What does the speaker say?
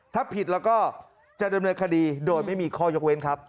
ถ้าผิดแล้วก็จะดำเนินคดีโดยไม่มีข้อยกเว้นครับ